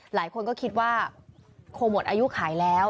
หลายคนก็คิดว่าคงหมดอายุขายแล้ว